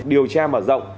điều tra mở rộng